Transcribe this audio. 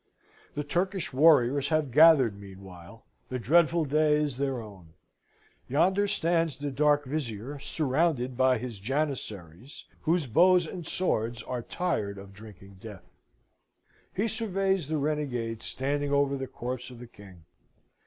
The Turkish warriors have gathered meanwhile: the dreadful day is their own. Yonder stands the dark Vizier, surrounded by his Janissaries, whose bows and swords are tired of drinking death. He surveys the renegade standing over the corpse of the King.